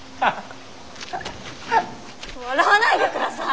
笑わないでください！